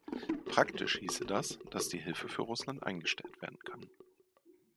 Praktisch hieße das, dass die Hilfe für Russland eingestellt werden kann.